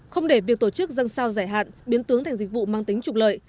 không để việc tổ chức dân sao giải hạn biến tướng thành dịch vụ mang tính trục lợi